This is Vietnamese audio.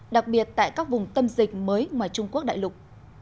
đặc biệt tại các vùng tâm dịch mới ngoài trung quốc đại lục